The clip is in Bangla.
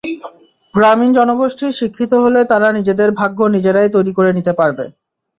গ্রামীণ জনগোষ্ঠী শিক্ষিত হলে তারা নিজেদের ভাগ্য নিজেরাই তৈরি করে নিতে পারবে।